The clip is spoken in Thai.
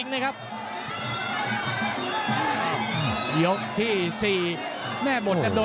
โอ้โหโอ้โหโอ้โหโอ้โหโอ้โห